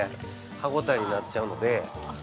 歯ごたえになっちゃうので。